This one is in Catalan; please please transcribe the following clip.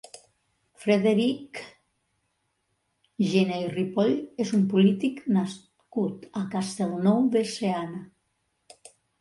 Frederic Gené i Ripoll és un polític nascut a Castellnou de Seana.